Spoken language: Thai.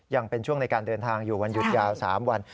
ยังเป็นช่วงในการเดินทางอยู่วันหยุดยาว๓วัน